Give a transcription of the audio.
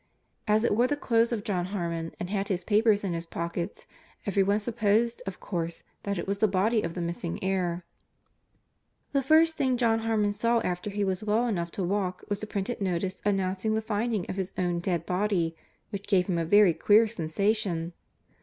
As it wore the clothes of John Harmon, and had his papers in its pockets, every one supposed, of course, that it was the body of the missing heir. The first thing John Harmon saw after he was well enough to walk was a printed notice announcing the finding of his own dead body which gave him a very queer sensation.